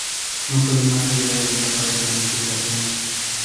No fueron más allá de la etapa de planificación.